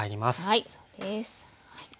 はいそうです。